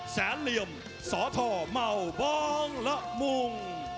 แสนเหลี่ยมสตเม่าบองละมุง